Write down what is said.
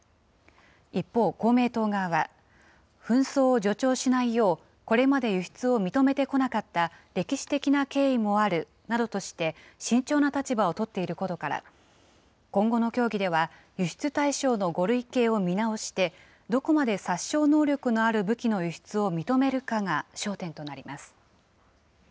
一方、公明党側は、紛争を助長しないよう、これまで輸出を認めてこなかった歴史的な経緯もあるなどとして、慎重な立場を取っていることから、今後の協議では輸出対象の５類型を見直して、どこまで殺傷能力のある武器の輸出を認めるかが焦点となります。